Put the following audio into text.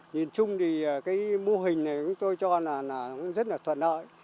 nhìn chung thì cái mô hình này tôi cho là rất là thuận lợi